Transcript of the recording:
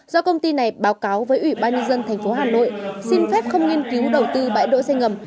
do công ty này báo cáo với ủy ban nhân dân tp hà nội xin phép không nghiên cứu đầu tư bãi đỗ xe ngầm